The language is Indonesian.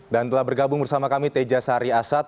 dan telah bergabung bersama kami teja sari asad